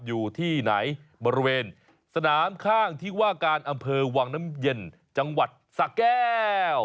อยู่ที่ไหนบริเวณสนามข้างที่ว่าการอำเภอวังน้ำเย็นจังหวัดสะแก้ว